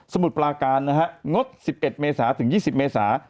สมุดปลาการงด๑๑เมษาจนถึง๒๐เมษา